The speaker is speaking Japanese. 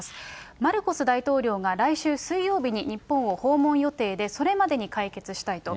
マルコス大統領が来週水曜日に日本を訪問予定で、それまでに解決したいと。